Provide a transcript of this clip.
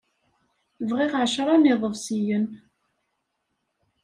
Bɣiɣ ɛecṛa n yiḍebsiyen.